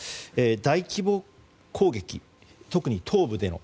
大規模攻撃、特に東部での。